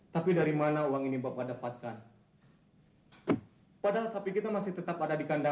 tapi mereka tidak mengingat tahu anda